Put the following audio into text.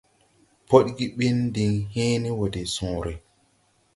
Podge bin din hęęne wɔɔ de sõõre.